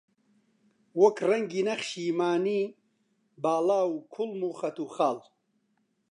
وەک ڕەنگی نەخشی مانی، باڵا و کوڵم و خەت و خاڵ